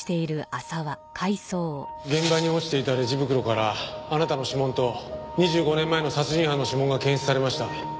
現場に落ちていたレジ袋からあなたの指紋と２５年前の殺人犯の指紋が検出されました。